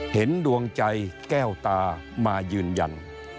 ดวงใจแก้วตามายืนยัน